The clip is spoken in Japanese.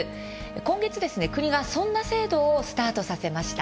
今月、国がそんな制度をスタートさせました。